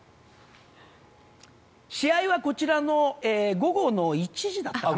試合はこちらの午後の１時だったかな。